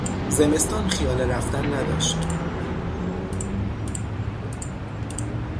زمستان خیال رفتن نداشت!